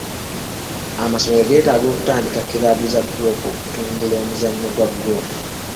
Amasomero geetaaga okutandika kiraabu za ggoofu okutumbula omuzannyo gwa ggoofu.